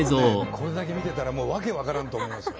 これだけ見てたらもう訳分からんと思いますよ。